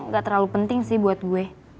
gak terlalu penting sih buat gue